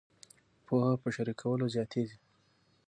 پوهه په شریکولو زیاتیږي.